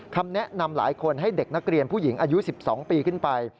คำแนะนำหลายคนให้เด็กนักเรียนผู้หญิงอายุ๑๒ปีขึ้นไป